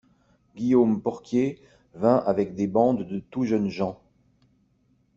Guillaume Porquier vint avec des bandes de tout jeunes gens.